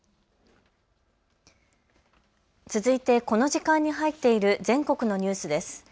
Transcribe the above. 続いてこの時間に入っている全国のニュースです。